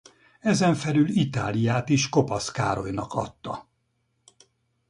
Ezen felül Itáliát is Kopasz Károlynak adta.